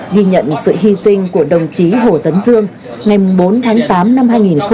ghi nhận sự hy sinh của đồng chí hồ tấn dương ngày bốn tháng tám năm hai nghìn một mươi chín